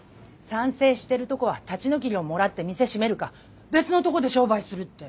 賛成してるとこは立ち退き料もらって店閉めるか別のとこで商売するって。